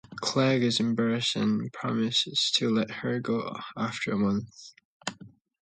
Clegg is embarrassed and promises to let her go after a month.